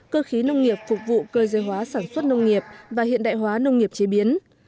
cơ khí nông nghiệp phục vụ cơ giới hóa sản xuất nông nghiệp và hiện đại hóa nông nghiệp chế biến